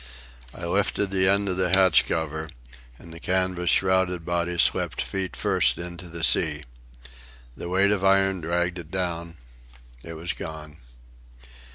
I lifted the end of the hatch cover and the canvas shrouded body slipped feet first into the sea. The weight of iron dragged it down. It was gone.